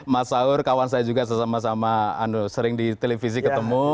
mas saur kawan saya juga sesama sama sering di televisi ketemu